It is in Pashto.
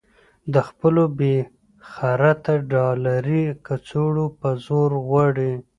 د خپلو بې خرطه ډالري کڅوړو په زور غواړي.